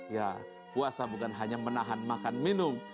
ya puasa bukan hanya menahan makan minum